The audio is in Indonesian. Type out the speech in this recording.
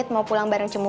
siapa yang nyuruh kamu